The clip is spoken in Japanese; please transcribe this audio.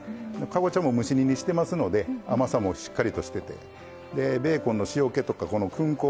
かぼちゃも蒸し煮にしてますので甘さもしっかりとしててでベーコンの塩気とかこの薫香ですよね